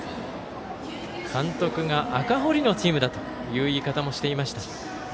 監督が赤堀のチームだという言い方もしていました。